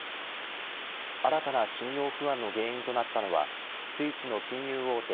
新たな信用不安の原因となったのはスイスの金融大手